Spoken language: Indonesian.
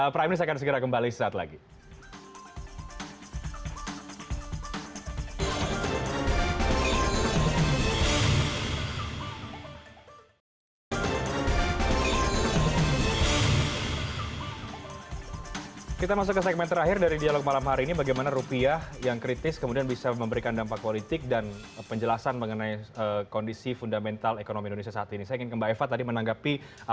prime news akan segera kembali saat lagi